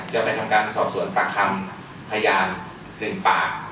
หนึ่งปาก